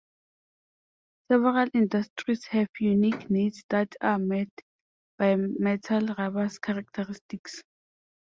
Several industries have unique needs that are met by metal rubber's characteristics.